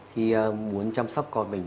khi muốn chăm sóc con mình